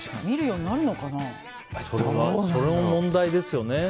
それも問題ですよね。